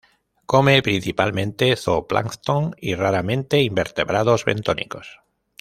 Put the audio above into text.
Come principalmente zoo plancton y, raramente, invertebrados bentónicos.